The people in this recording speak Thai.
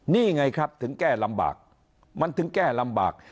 นี่ไงครับถึงแก้ลำบากมันถึงแก้ลำบาก